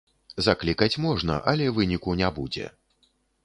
Заклікаць можна, але выніку не будзе.